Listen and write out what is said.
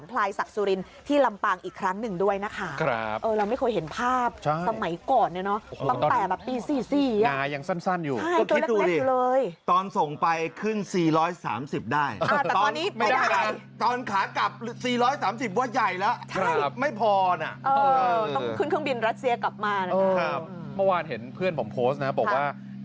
ไปดูไลฟ์บ่อยนะ